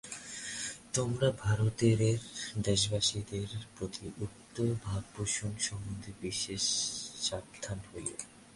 তোমরা ভারতেতর দেশবাসীদের প্রতি উক্ত ভাবপোষণ সম্বন্ধে বিশেষ সাবধান হইও।